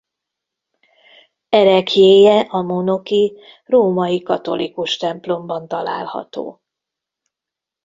Ereklyéje a Monoki Római katolikus templomban található.